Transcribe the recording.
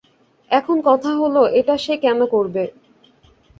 এখন কথা হল, এটা সে কেন করবে?